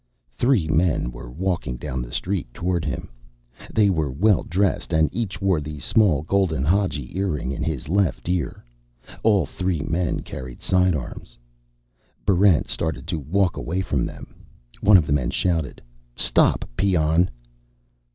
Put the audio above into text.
Three men were walking down the street toward him. They were well dressed, and each wore the small golden Hadji earring in his left ear. All three men carried sidearms. Barrent started to walk away from them. One of the men shouted, "Stop, peon!"